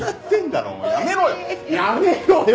やめろよ